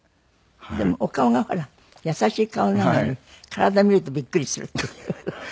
でもお顔がほら優しい顔なのに体見るとびっくりするっていうタイプ。